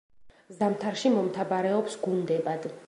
ზამთარში მომთაბარეობს გუნდებად.